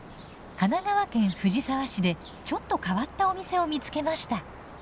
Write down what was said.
神奈川県藤沢市でちょっと変わったお店を見つけました。